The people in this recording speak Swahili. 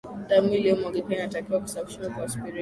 damu iliyomwagika inatakiwa kusafishwa kwa spiriti